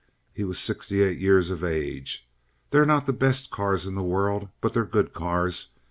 He was sixty eight years of age. "They're not the best cars in the world, but they're good cars.